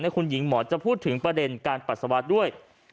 คุณหญิงหมอจะพูดถึงประเด็นการปัสสาวะด้วย